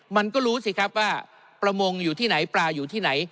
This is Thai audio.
มันก็รู้สิครับว่าประมงอยู่ที่ไหนปลาอยู่ที่ไหน